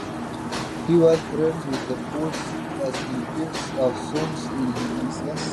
He was friends with the poets Asclepiades of Samos and Hedylus.